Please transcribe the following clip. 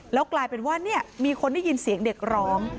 แล้วกลายเป็นว่ามีคนได้ยินเสียงเด็กร้อง